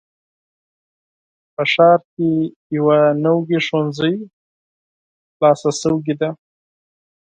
په ښار کې یو نوي ښوونځی نوی پرانیستل شوی دی.